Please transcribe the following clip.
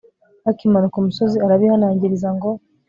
bakimanuka umusozi arabihanangiriza ngo